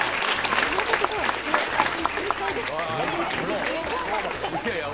山里さん、正解です。